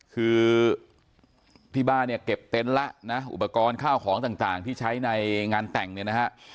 คือที่บ้านเนี่ยเก็บเต็นต์แล้วนะอุปกรณ์ข้าวของต่างที่ใช้ในงานแต่งเนี่ยนะฮะ